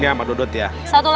iya ada kebakaran